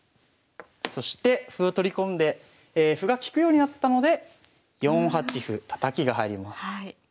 そして歩を取り込んで歩が利くようになったので４八歩たたきが入ります。